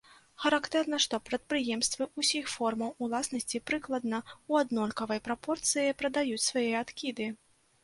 Характэрна, што прадпрыемствы ўсіх формаў уласнасці прыкладна ў аднолькавай прапорцыі прадаюць свае адкіды.